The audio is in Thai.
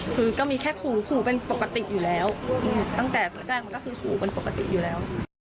คือก็มีแค่ขู่ขู่เป็นปกติอยู่แล้วตั้งแต่แรกมันก็คือขู่เป็นปกติอยู่แล้ว